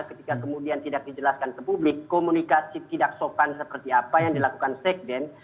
ketika kemudian tidak dijelaskan ke publik komunikasi tidak sopan seperti apa yang dilakukan sekden